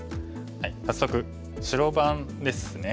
早速白番ですね。